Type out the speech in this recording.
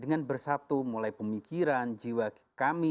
dengan bersatu mulai pemikiran jiwa dan kebijakan